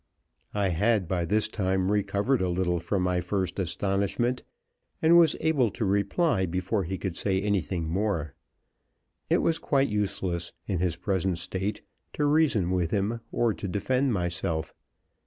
I had by this time recovered a little from my first astonishment, and was able to reply before he could say anything more. It was quite useless, in his present state, to reason with him or to defend myself.